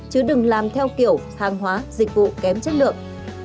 chứ đừng làm theo kiểu hàng hóa dịch vụ kém chất lượng